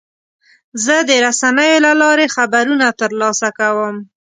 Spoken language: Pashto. زه د رسنیو له لارې خبرونه ترلاسه کوم.